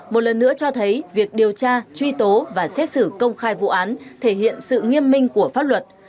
một lần nữa cho thấy việc điều tra truy tố và xét xử công khai vụ án thể hiện sự nghiêm minh của pháp luật